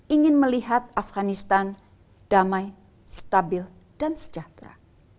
ingin melihat afganistan damai stabil dan sejahtera